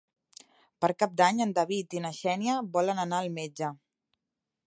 Per Cap d'Any en David i na Xènia volen anar al metge.